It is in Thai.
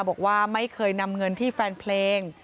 บอกว่าไม่เคยนำเงินที่แฟนเพลง